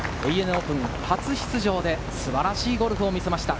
オープン初出場で素晴らしいゴルフを見せました。